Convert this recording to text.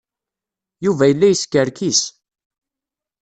Yuba yella yeskerkis.